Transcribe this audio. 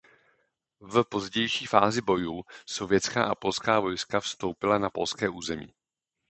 V pozdější fázi bojů sovětská a polská vojska vstoupila na polské území.